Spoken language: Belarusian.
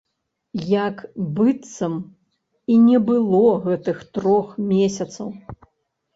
Як быццам і не было гэтых трох месяцаў.